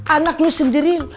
anak lu sendiri